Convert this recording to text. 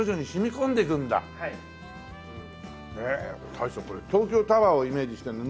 大将これ東京タワーをイメージしてるの？